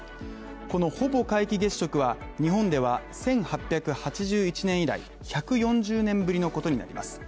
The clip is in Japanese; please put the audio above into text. このほぼ皆既月食は、日本では１８８１年以来、１４０年ぶりのことになります。